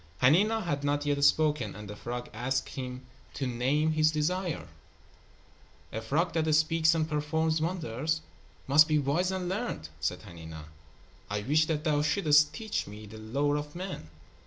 Hanina had not yet spoken, and the frog asked him to name his desire. "A frog that speaks and performs wonders must be wise and learned," said Hanina. "I wish that thou shouldst teach me the lore of men."